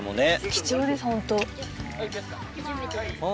貴重ですホント。